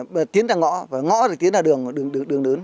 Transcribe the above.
thì tiến ra ngõ và ngõ thì tiến ra đường đường đớn